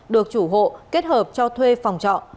được chủ hộ kết hợp cho thuê phòng trọ